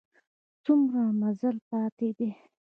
څومره مزل پاته دی؟